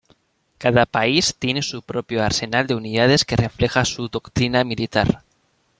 Cada país tiene su propio arsenal de unidades que refleja su doctrina militar.